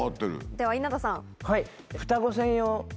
では稲田さん。